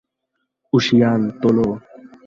ঊশিয়ান, তোলো!